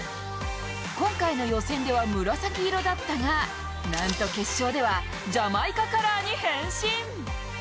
今回の予選では紫色だったがなんと決勝ではジャマイカカラーに変身。